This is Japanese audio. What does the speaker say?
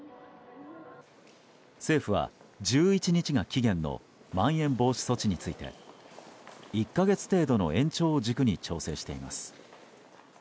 政府は、１１日が期限のまん延防止措置について１か月程度の延長を軸に調整しています。